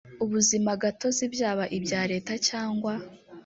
ubuzima gatozi byaba ibya leta cyangwa